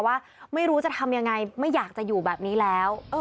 ว่าไม่รู้จะทำยังไงไม่อยากจะอยู่แบบนี้แล้ว